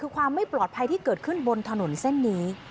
คือความไม่ปลอดภัยที่เกิดขึ้นบนถนนเส้นนี้